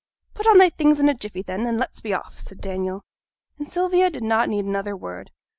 'Put on thy things in a jiffy, then, and let's be off,' said Daniel. And Sylvia did not need another word.